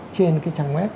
trên cái trang web